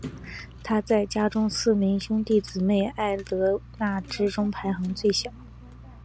她在家中四名兄弟姊妹艾德娜之中排行最小。